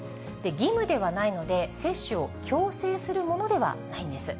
義務ではないので、接種を強制するものではないんです。